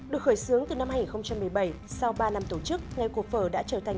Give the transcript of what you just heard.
sau ba năm tổ chức ngay cuộc phở đã trở thành